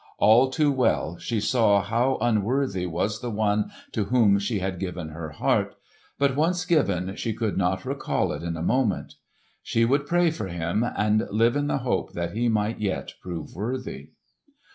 All too well she saw how unworthy was the one to whom she had given her heart; but, once given, she could not recall it in a moment. She would pray for him, and live in the hope that he might yet prove worthy.